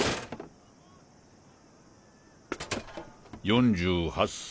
４８歳。